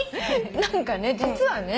何かね実はね